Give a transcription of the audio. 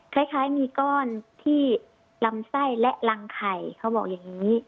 คล้ายมีก้อนที่ลำไส้และรังไข่เขาบอกอย่างนี้